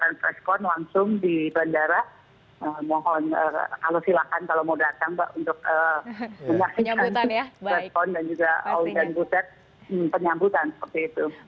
mohon kalau silakan kalau mau datang mbak untuk mengaksikan respon dan juga ol dan utep penyambutan seperti itu